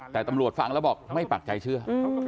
แต่ตำรวจฟังแล้วบอกไม่ปักใจเชื่อ